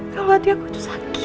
kalau hati aku aja sakit